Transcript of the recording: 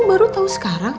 baru tahu sekarang